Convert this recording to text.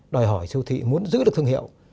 đòi hỏi siêu thị muốn giữ được thương hiệu